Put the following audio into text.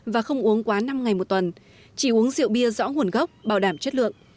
và không uống quá năm ngày một tuần chỉ uống rượu bia rõ nguồn gốc bảo đảm chất lượng